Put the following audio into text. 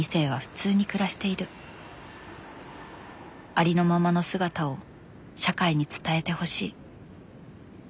「ありのままの姿を社会に伝えてほしい」。